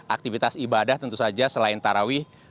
aktivitas ibadah tentu saja selain tarawih